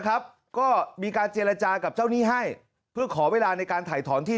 ครับก็มีการเจรจากับเจ้าหนี้ให้เพื่อขอเวลาในการถ่ายถอนที่